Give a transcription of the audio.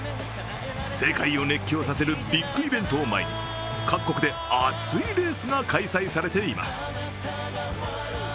世界を熱狂させるビッグイベントを前に各国で熱いレースが開催されています。